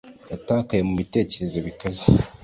Yatakaye mubitekerezo bikaze